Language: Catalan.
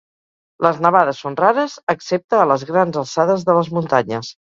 Les nevades són rares excepte a les grans alçades de les muntanyes.